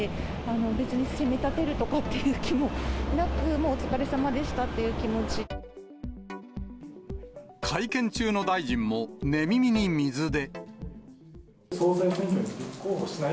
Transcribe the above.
別に責め立てるという気もなく、もうお疲れさまでしたっていう気会見中の大臣も、寝耳に水で。